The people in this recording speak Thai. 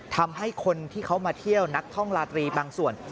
ทำให้คนที่เขามาเที่ยวนักท่องลาตรีบางส่วน